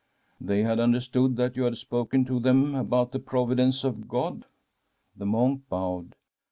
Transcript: * They had understood that you had spoken to them about the providence of God ?* The monk bowed.